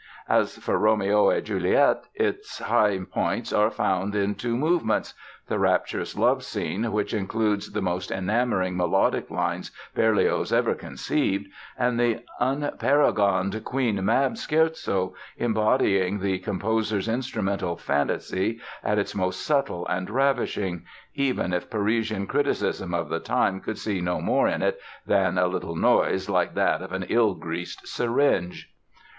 As for "Roméo et Juliette", its high points are found in two movements—the rapturous love scene, which includes the most enamoring melodic ideas Berlioz ever conceived, and the unparagoned Queen Mab scherzo, embodying the composer's instrumental fancy at its most subtle and ravishing—even if Parisian criticism of the time could see no more in it than "a little noise like that of an ill greased syringe"!